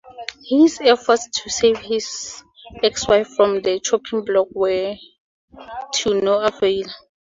His efforts to save his ex-wife from the chopping block were to no avail.